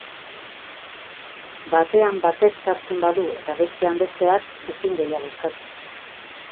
Batean batek sartzen badu eta bestean besteak ezin gehiago eskatu.